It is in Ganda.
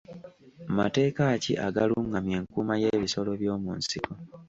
Mateeka ki agalungamya enkuuma y'ebisolo by'omu nsiko.